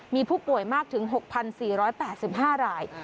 มีผู้ป่วยมากถึง๖๔๘๕ราย